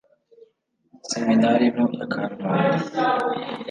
seminari nto ya karubanda